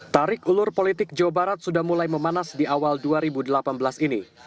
tarik ulur politik jawa barat sudah mulai memanas di awal dua ribu delapan belas ini